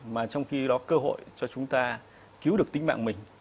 mà trong khi đó cơ hội cho chúng ta cứu được tính mạng mình